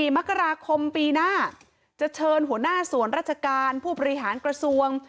มกราคมปีหน้าจะเชิญหัวหน้าส่วนราชการผู้บริหารกระทรวง